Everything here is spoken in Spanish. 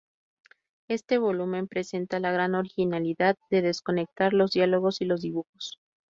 Este volumen presenta la gran originalidad de desconectar los diálogos y los dibujos.